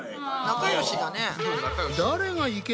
仲よしだね。